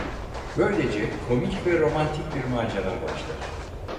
Böylece komik ve romantik bir macera başlar.